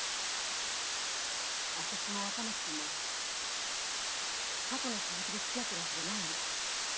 私も赤松君も過去の続きでつきあってるわけじゃないの。